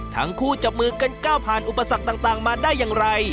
จับมือกันก้าวผ่านอุปสรรคต่างมาได้อย่างไร